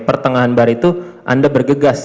pertengahan bar itu anda bergegas